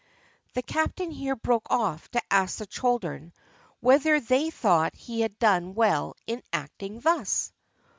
'" The captain here broke off to ask the children whether they thought he had done well in acting thus?